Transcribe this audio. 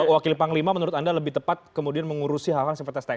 wakil panglima menurut anda lebih tepat kemudian mengurusi hal hal sifatnya